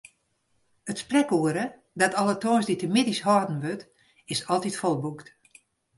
It sprekoere, dat alle tongersdeitemiddeis holden wurdt, is altyd folboekt.